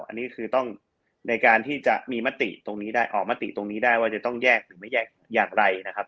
อันนี้คือต้องในการที่จะมีมติตรงนี้ได้ออกมาติตรงนี้ได้ว่าจะต้องแยกหรือไม่แยกอย่างไรนะครับ